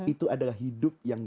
itu adalah hidup yang